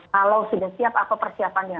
kalau sudah siap apa persiapannya